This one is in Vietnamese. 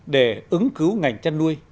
để ứng cứu ngành chăn nuôi